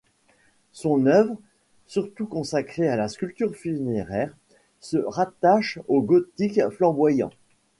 Son œuvre, surtout consacrée à la sculpture funéraire, se rattache au gothique flamboyant.